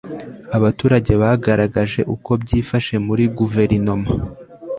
abaturage bagaragaje uko byifashe muri guverinoma